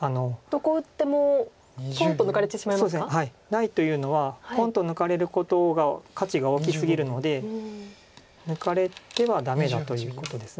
ないというのはポンと抜かれることが価値が大きすぎるので抜かれてはダメだということです。